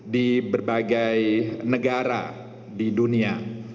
di berbagai negara di dunia